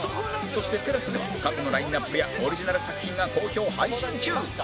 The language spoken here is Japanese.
そして ＴＥＬＡＳＡ では過去のラインアップやオリジナル作品が好評配信中